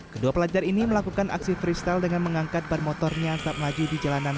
kedua pelajar ini melakukan aksi freestyle dengan mengangkat bar motornya saat melaju di jalanan